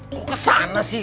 kok kesana sih